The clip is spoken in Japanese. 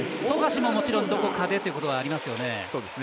富樫ももちろんどこかでというところはありますよね。